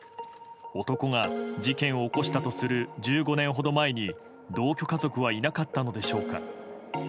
男が事件を起こしたとする１５年ほど前に同居家族はいなかったのでしょうか。